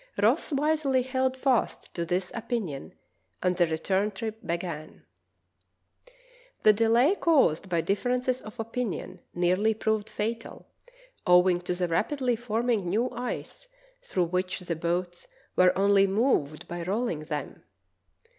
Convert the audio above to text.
Ross wisely held fast to this opinion, and the return trip began. The delay caused by differences of opinion nearly proved fatal, owing to the rapidly forming new ice through which the boats were only moved by rolling them.